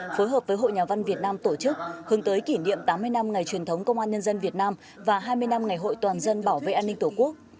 phối hợp với hội nhà văn việt nam tổ chức hướng tới kỷ niệm tám mươi năm ngày truyền thống công an nhân dân việt nam và hai mươi năm ngày hội toàn dân bảo vệ an ninh tổ quốc